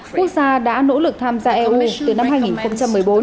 quốc gia đã nỗ lực tham gia eu từ năm hai nghìn một mươi bốn